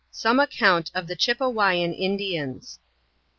Some account of the Chipewyan Indians.